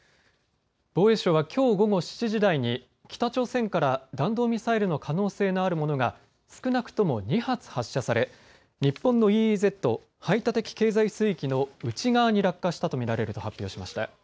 防衛省はきょう午後７時台に北朝鮮から弾道ミサイルの可能性のあるものが少なくとも２発発射され、日本のＥＥＺ・排他的経済水域の内側に落下したと見られると発表しました。